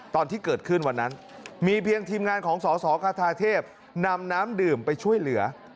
ตอนที่เกิดขึ้นวันนั้นมีเพียงทีมงานของสสคาเทพนำน้ำดื่มไปช่วยเหลือ